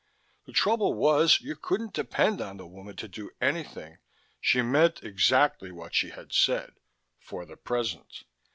The trouble was, you couldn't depend on the woman to do anything. She meant exactly what she had said: "For the present."